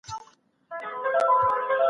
بې پروايي تاريخ نه بخښي.